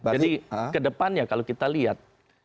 jadi ke depannya kalau kita lihat